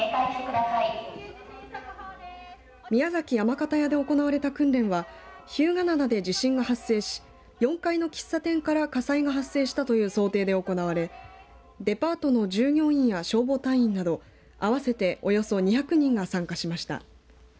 宮崎山形屋で行われた訓練は日向灘で地震が発生し４階の喫茶店から火災が発生したという想定で行われデパートの従業員や消防隊員など合わせておよそ２００人が参加しました。